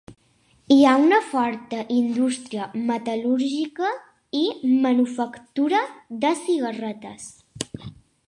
Hi ha una forta indústria metal·lúrgica, i manufactura de cigarretes.